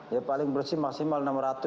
ya paling bersih maksimal enam ratus lima ratus